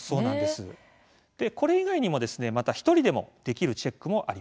でこれ以外にもですねまた一人でもできるチェックもあります。